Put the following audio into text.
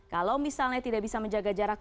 kalau misalnya tidak bisa menjaga jarak